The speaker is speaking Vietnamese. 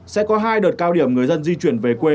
sẽ có hai đợt cao điểm người dân di chuyển về quê